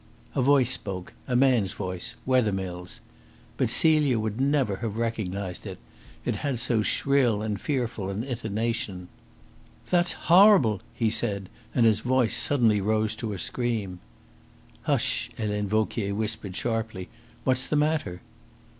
A voice spoke a man's voice Wethermill's. But Celia would never have recognised it it had so shrill and fearful an intonation. "That's horrible," he said, and his voice suddenly rose to a scream. "Hush!" Helene Vauquier whispered sharply. "What's the matter?"